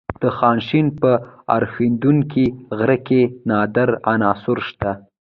د خانشین په اورښیندونکي غره کې نادره عناصر شته.